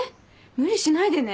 無理しないでね。